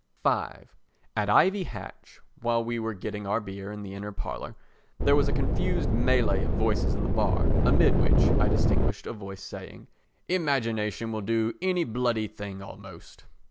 v At Ivy Hatch, while we were getting our beer in the inner parlour, there was a confused mêlée of voices in the bar, amid which I distinguished a voice saying: "Imagination will do any bloody thing almost."